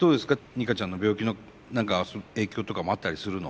ニカちゃんの病気の何か影響とかもあったりするの？